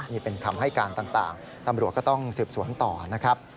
นี่เป็นคำให้การต่างตำรวจก็ต้องสืบสวนต่อนะครับ